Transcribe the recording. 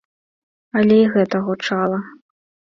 Але і гэта гучала.